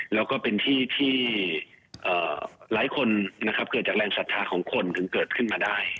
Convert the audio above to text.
แล้วก็เป็นที่ที่หลายคนนะครับเกิดจากแรงศรัทธาของคนถึงเกิดขึ้นมาได้